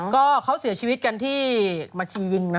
ก็เขาเสียชีวิตกันที่บัญชียิงนะ